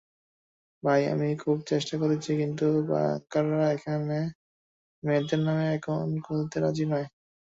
By, আমি খুব চেষ্টা করেছি, কিন্তু ব্যাংকাররা এখানের মেয়েদের নামে একাউন্ট খুলতে রাজি নয়।